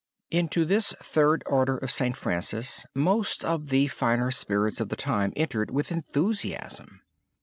Into this Third Order of St. Francis most of the finer spirits of the time entered with enthusiasm.